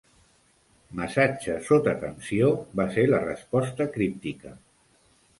Massatge sota tensió, va ser la resposta críptica.